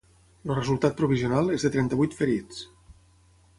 El resultat provisional és de trenta-vuit ferits.